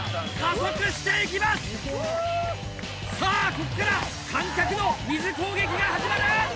ここから観客の水攻撃が始まる！